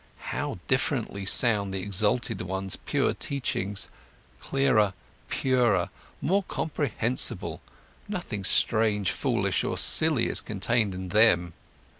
So differently sound the exalted one's pure teachings, clearer, purer, more comprehensible, nothing strange, foolish, or silly is contained in them.